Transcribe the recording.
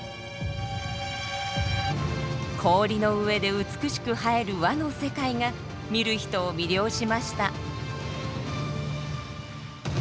氷の上で美しく映える和の世界が見る人を魅了しました。